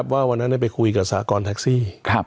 ว่าวันนั้นไปคุยกับสากรแท็กซี่